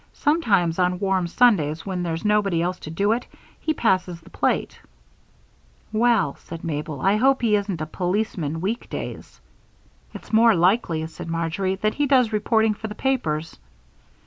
Sometimes on warm Sundays when there's nobody else to do it, he passes the plate." "Well," said Mabel, "I hope he isn't a policeman weekdays." "It's more likely," said Marjory, "that he does reporting for the papers.